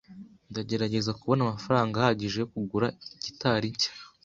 Ndagerageza kubona amafaranga ahagije yo kugura gitari nshya.